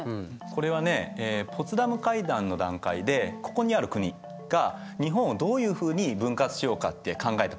これはねポツダム会談の段階でここにある国が日本をどういうふうに分割しようかって考えたプランなんだ。